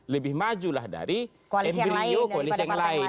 lebih maju lah dari embryo koalisi yang lain